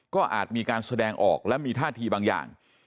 ก็อาจมีการแสดงออกและมีท่าทีบางอย่าง